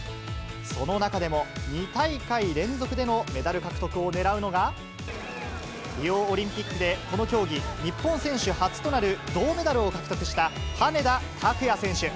その中でも、２大会連続でのメダル獲得を狙うのが、リオオリンピックでこの競技、日本選手初となる銅メダルを獲得した羽根田卓也選手。